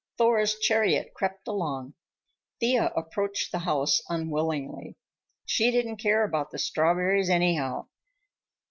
Thor's chariot crept along. Thea approached the house unwillingly. She didn't care about the strawberries, anyhow.